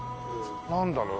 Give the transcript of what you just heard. なんだろう？